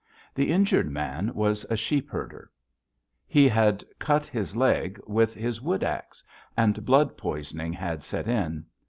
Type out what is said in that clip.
The injured man was a sheep herder. He had cut his leg with his wood axe, and blood poisoning had set in.